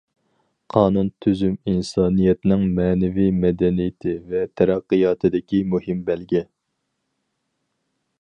قانۇن تۈزۈم ئىنسانىيەتنىڭ مەنىۋى مەدەنىيىتى ۋە تەرەققىياتىدىكى مۇھىم بەلگە.